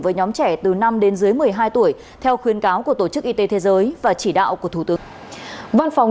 với nhóm trẻ từ năm đến dưới một mươi hai tuổi theo khuyên cáo của tổ chức y tế thế giới và chỉ đạo của thủ tướng